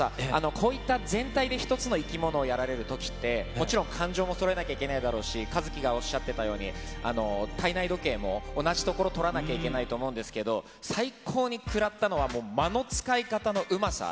こういった全体で一つの生き物をやられるときって、もちろん感情もそろえなきゃいけないだろうし、ｋａｚｕｋｉがおっしゃってたように、体内時計も同じところ取らなきゃいけないと思うんですけど、最高に食らったのは、もう間の使い方のうまさ。